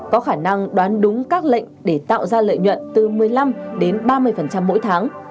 có khả năng đoán đúng các lệnh để tạo ra lợi nhuận từ một mươi năm đến ba mươi mỗi tháng